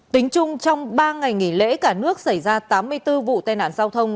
tính chung trong ba ngày nghỉ lễ cả nước xảy ra tám mươi bốn vụ tai nạn giao thông